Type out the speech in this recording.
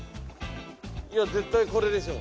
いや絶対これでしょう。